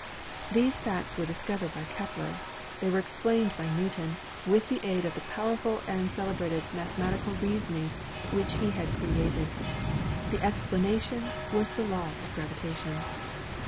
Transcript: These facts were discovered by Kepler; they were ex plained by Newton, with the aid of the powerful and cele brated mathematical reasoning which he had created. The explanation was the law of gravitation.